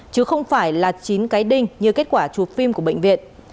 chứ không phải là chín cái đinh như kết quả chụp phim của bệnh viện